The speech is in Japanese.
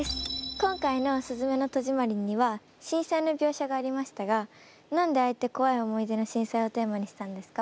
今回の「すずめの戸締まり」には震災の描写がありましたが何であえて怖い思い出の震災をテーマにしたんですか？